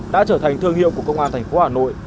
đã trở thành thương hiệu của công an thành phố hà nội